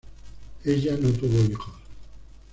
Ella no tuvo hijos.